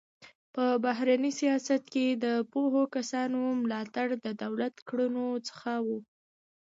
په بهرني سیاست کې د پوهو کسانو ملاتړ د دولت کړنو څخه و.